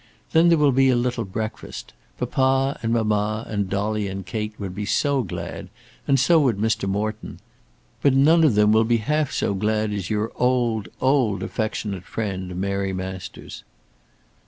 Then there will be a little breakfast. Papa and mamma and Dolly and Kate would be so glad; and so would Mr. Morton. But none of them will be half so glad as your old, old, affectionate friend MARY MASTERS.